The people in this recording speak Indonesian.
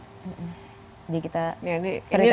jadi kita seretan di sini